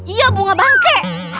iya bunga bangke